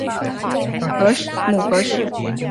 母何氏。